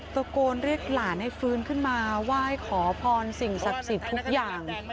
ตะโกนเรียกหลานให้ฟื้นขึ้นมาไหว้ขอพรสิ่งศักดิ์สิทธิ์ทุกอย่าง